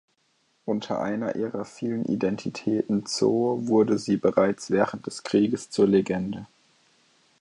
Unter einer ihrer vielen Identitäten "Zo" wurde sie bereits während des Krieges zur Legende.